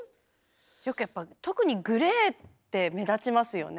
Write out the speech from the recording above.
よくやっぱ特にグレーって目立ちますよね。